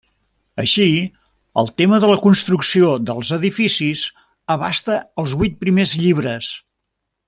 Així, el tema de la construcció dels edificis abasta els vuit primers llibres.